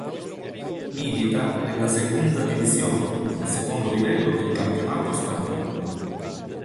Milita nella Segunda División, secondo livello del campionato spagnolo.